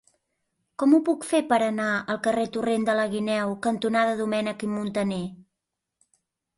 Com ho puc fer per anar al carrer Torrent de la Guineu cantonada Domènech i Montaner?